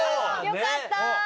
よかった！